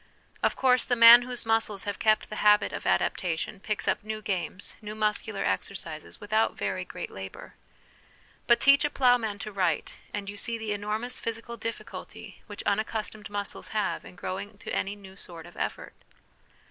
Of course, the man whose muscles have kept the habit of adaptation picks up new games, new muscular exercises, without very great labour. But teach a ploughman to write, and you see the enormous physical difficulty which unaccustomed muscles have in growing to any new sort of effort.